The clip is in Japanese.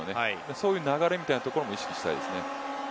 そういう流れみたいなところも意識したいですね。